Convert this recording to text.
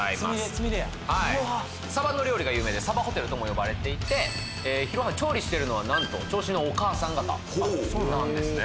つみれやはいサバの料理が有名でサバホテルとも呼ばれていて廣半調理してるのはなんと銚子のお母さん方なんですね